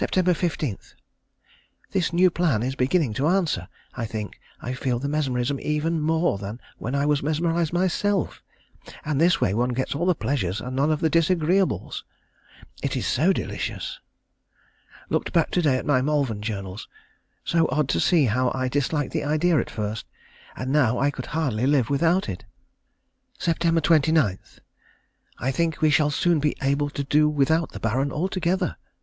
_ 15. This new plan is beginning to answer. I think I feel the mesmerism even more than when I was mesmerised myself, and this way one gets all the pleasures and none of the disagreeables. It is so delicious. Looked back to day at my Malvern journals. So odd to see how I disliked the idea at first, and now I could hardly live without it. Sept. 29. I think we shall soon be able to do without the Baron altogether.